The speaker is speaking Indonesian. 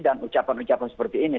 dan ucapan ucapan seperti ini